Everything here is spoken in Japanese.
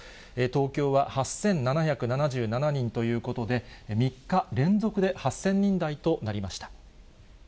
東京は８７７７人ということで、３日連続で８０００人台となりました。